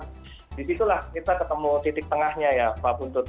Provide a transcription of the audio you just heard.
di situ lah kita ketemu titik tengahnya ya pak puntut